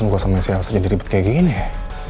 kenapa urusan gue sama si elsa jadi ribet kayak gini ya